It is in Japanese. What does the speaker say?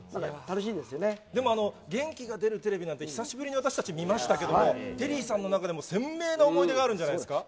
でも元気が出るテレビなんて久しぶりに私たち見ましたけど、テリーさんの中でも鮮明な思い出があるんじゃないですか。